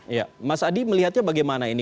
iya mas adi melihatnya bagaimana ini